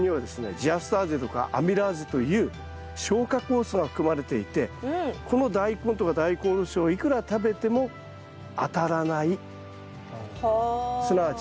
ジアスターゼとかアミラーゼという消化酵素が含まれていてこのダイコンとかダイコンおろしをいくら食べてもはあ。